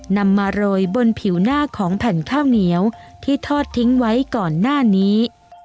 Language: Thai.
นำมาโรยบนผิวหน้าของแผ่นข้าวเหนียวที่ทอดทิ้งไว้ก่อนหน้านี้